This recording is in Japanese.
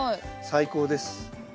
最高です。